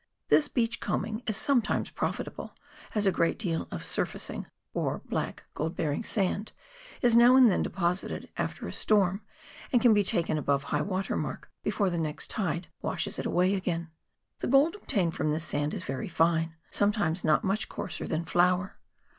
This "beach combing" is sometimes profitable, as a great deal of " surfacing," or black gold bearing sand, is now and then deposited after a storm, and can be taken above high water mark before the next tide washes it away again. The gold obtained from this sand is very fine, sometimes not much coarser than flour.